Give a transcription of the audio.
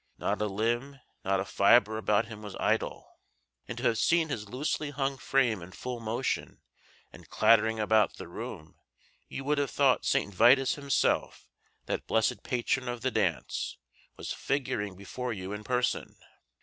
Not a limb, not a fibre about him was idle; and to have seen his loosely hung frame in full motion and clattering about the room you would have thought Saint Vitus himself, that blessed patron of the dance, was figuring before you in person.